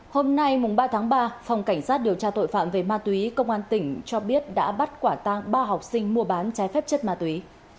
hôm nay ba tháng ba phòng cảnh sát điều tra tội phạm về ma túy công an tỉnh cho biết đã bắt quả tang ba học sinh mua bán trái phép chất ma túy